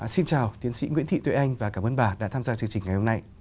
xin chào tiến sĩ nguyễn thị tuyết anh và cảm ơn bà đã tham gia chương trình ngày hôm nay